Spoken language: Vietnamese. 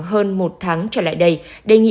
hơn một tháng trở lại đây đề nghị